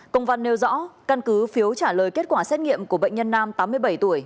công văn nêu rõ căn cứ phiếu trả lời kết quả xét nghiệm của bệnh nhân nam tám mươi bảy tuổi